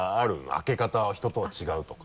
開け方人とは違うとか。